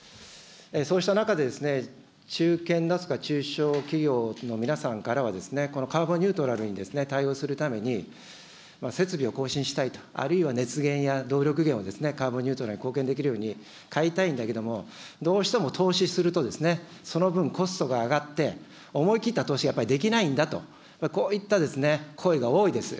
そうした中で、中堅ですとか中小企業の皆さんからは、カーボンニュートラルに対応するために、設備を更新したいと、あるいは熱源や動力源をカーボンニュートラルに貢献できるように買いたいんんだけれども、どうしても投資すると、その分、コストが上がって思い切った投資がやっぱりできないんだと、こういった声が多いです。